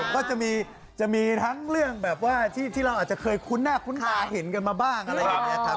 ก็จะมีทั้งเรื่องแบบว่าที่เราอาจจะเคยคุ้นหน้าคุ้นตาเห็นกันมาบ้างอะไรอย่างนี้ครับ